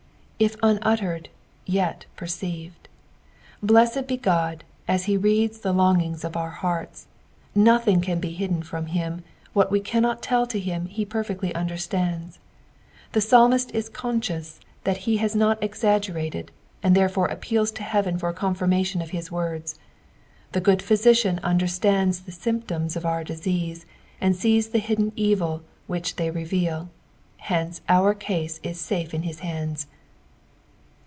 If unuttered, yet perceived. Blessed be God, he reads the longings of our heorta ; nothing can be hidden from him ; what we cannot tell to him he perfectly underBtanda. The psalmist is conscious that he has not exaggerated, and therefore appeals to heaven for a confirmatioa of his words. The good Physician understands the symptoms of our disease and sees the hidden evil which they reveal, hence our caae is safe in hia hands.